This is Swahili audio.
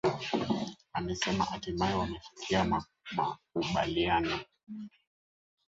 amesema hatimaye wamefikia makubaliano